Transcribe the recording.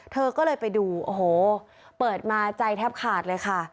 เธอก็เลยไปดูโอ้โหเปิดมาใจแทบขาดเลยค่ะ